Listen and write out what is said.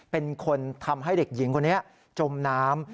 เป็นคนทำให้เด็กหญิงคนนี้จมน้ำ